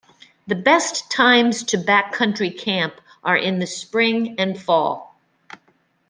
The best times to backcountry camp are in the spring and fall.